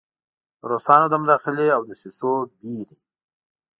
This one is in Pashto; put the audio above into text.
د روسانو د مداخلې او دسیسو ویرې.